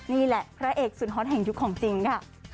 นี่แหละพระเอกสุดฮอตแห่งยุคของจริงค่ะ